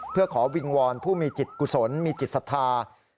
เพื่อขอวิงวอนผู้มีจิตกุศลมีจิตศรัทธา